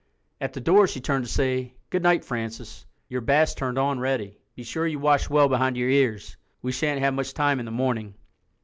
At the door she turned to say, "Good night, Francis. Your bath's turned on ready. Be sure you wash well behind your ears. We shan't have much time in the morning."